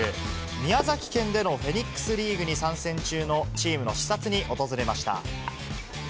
宮崎県でのフェニックスリーグに参戦中のチームの視察に訪れました。